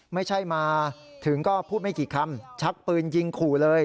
ไม่ใช่มาถึงก็พูดไม่กี่คำชักปืนยิงขู่เลย